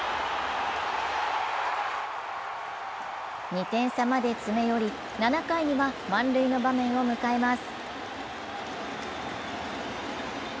２点差まで詰め寄り、７回には満塁の場面を迎えます。